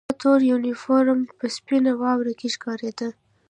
زما تور یونیفورم په سپینه واوره کې ښکارېده